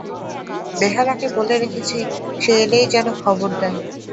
বেহারাকে বলে রেখেছি সে এলেই যেন খবর দেয়।